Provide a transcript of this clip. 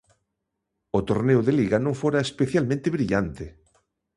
O torneo de liga non fora especialmente brillante.